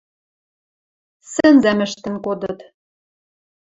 Сӹнзӓм ӹштӹн кодыт.